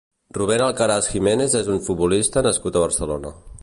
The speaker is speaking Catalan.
Rubén Alcaraz Jiménez és un futbolista nascut a Barcelona.